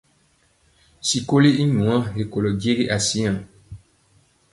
Sikoli i nwaa kolɔ jegi asiŋa.